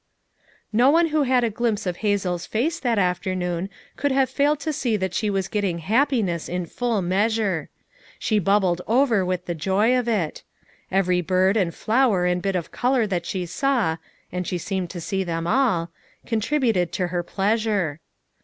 No one who had a glimpse of Hazel's face that afternoon could have failed to see that she was getting happiness in full measure. She bubbled over with the joy of it. Every bird and flower and bit of color that she saw — and she seemed to see them all — contributed to her pleasure.